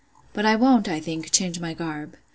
But I won't, I think, change my garb.